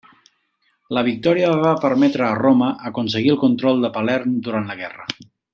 La victòria va permetre a Roma aconseguir el control de Palerm durant la guerra.